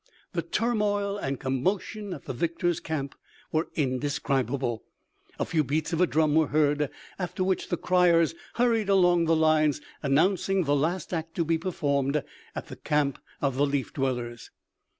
The turmoil and commotion at the victors' camp were indescribable. A few beats of a drum were heard, after which the criers hurried along the lines, announcing the last act to be performed at the camp of the "Leaf Dwellers."